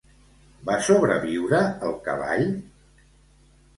Va sobreviure el cavall?